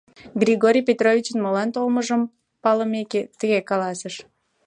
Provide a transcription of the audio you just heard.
Григорий Петровичын молан толмыжым палымеке, тыге каласыш: